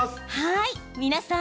皆さん